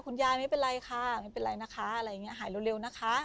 คุณยายไม่เป็นไรค่ะไม่เป็นไรนะคะอะไรอย่างนี้หายเร็วนะคะ